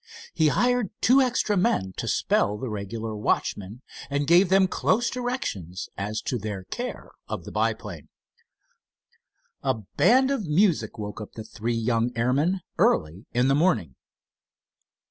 He hired two extra men to spell the regular watchmen, and gave them close directions as to their care of the biplane. A band of music woke up the three young airmen early in the morning.